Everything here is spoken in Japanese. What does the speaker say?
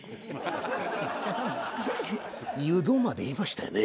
「ゆど」まで言いましたよね？